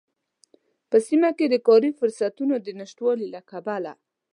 په سيمه کې د کاری فرصوتونو د نشتوالي له کبله